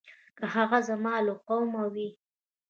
که هغه زما له قومه وي.